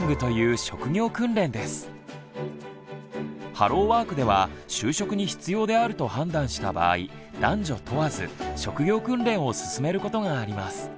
ハローワークでは就職に必要であると判断した場合男女問わず職業訓練を勧めることがあります。